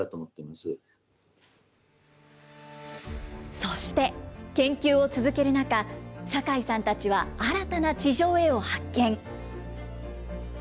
そして、研究を続ける中、坂井さんたちは新たな地上絵を発見。